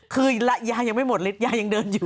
คือยายังไม่หมดฤทธิยายังเดินอยู่